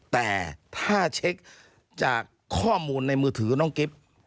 แต่ถ้าเช็คจากข้อมูลในมือถือน้องกิฟต์